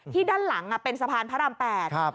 ด้านหลังเป็นสะพานพระราม๘